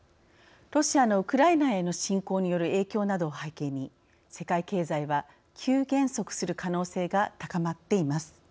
ロシアのウクライナへの侵攻による影響などを背景に世界経済は急減速する可能性が高まっています。